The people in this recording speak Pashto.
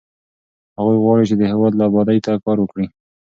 هغوی غواړي چې د هېواد ابادۍ ته کار وکړي.